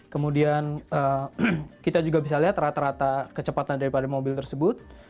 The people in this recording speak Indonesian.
kemudian kita juga bisa lihat rata rata kecepatan daripada mobil tersebut